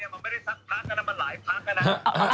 มันไม่ได้สักพักนะมันหลายพักนะ